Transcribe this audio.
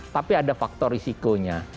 tapi ada faktor risikonya